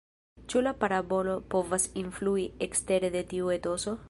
Ĉu la parabolo povas influi ekstere de tiu etoso?